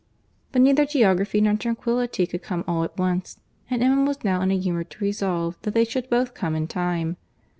But neither geography nor tranquillity could come all at once, and Emma was now in a humour to resolve that they should both come in time.